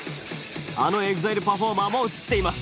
あのＥＸＩＬＥパフォーマーも映っています。